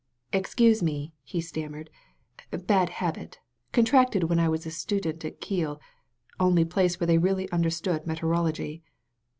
"Excuse me," he stammered; "bad habit, con tracted when I was a student at Kiel— only place where they really understood metallurgy."